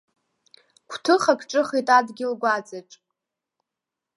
Гәҭыхак ҿыхеит адгьыл гәаҵаҿ.